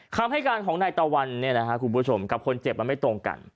คำให้การของนายตะวันกับคนเจ็บมันไม่ตรงกัน